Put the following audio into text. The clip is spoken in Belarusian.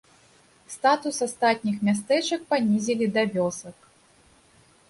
Статус астатніх мястэчак панізілі да вёсак.